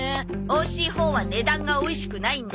おいしいほうは値段がおいしくないんだよ。